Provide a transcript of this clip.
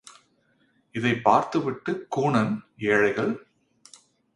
இதைப் பார்த்துவிட்ட கூணன், ஏழைகள்!